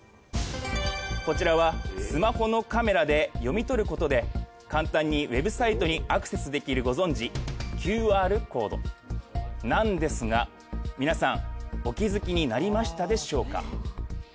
こちらはスマホのカメラで読み取ることで簡単にウェブサイトにアクセスできるご存じＱＲコードなんですが皆さんお気づきになりましたでしょうか？